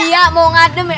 iya mau ngadem ya